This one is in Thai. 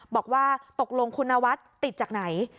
บอกว่าตกลงคุณนวัฒน์ติดจากไหน